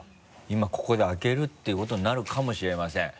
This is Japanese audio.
今ここで開けるっていうことになるかもしれません。